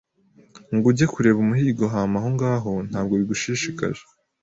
ngo ujye kureba umuhigo hama ahongaho ntabwo bigushishikaje